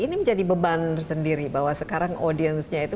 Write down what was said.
ini menjadi beban sendiri bahwa sekarang audiensnya itu